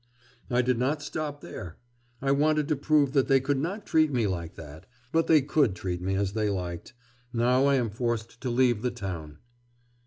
I did not stop there; I wanted to prove that they could not treat me like that.... But they could treat me as they liked.... Now I am forced to leave the town.